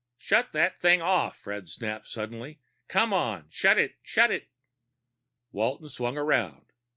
"Shut that thing off!" Fred snapped suddenly. "Come on! Shut it! Shut it!" Walton swung around.